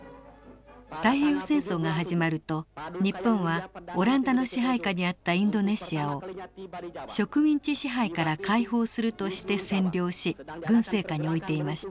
太平洋戦争が始まると日本はオランダの支配下にあったインドネシアを植民地支配から解放するとして占領し軍政下に置いていました。